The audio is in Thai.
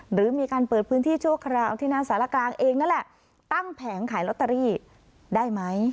หรือมีการเปิดพื้นที่ชั่วคราวที่หน้าสารกลางเองนั่นแหละตั้งแผงขายลอตเตอรี่ได้ไหม